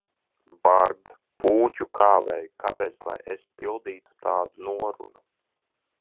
Bard, Pūķu Kāvēj, kāpēc lai es pildītu tādu norunu?